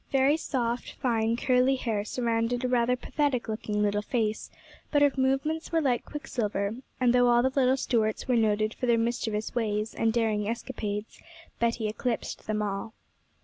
Very soft, fine curly hair surrounded a rather pathetic looking little face; but her movements were like quicksilver, and though all the little Stuarts were noted for their mischievous ways and daring escapades, Betty eclipsed them all.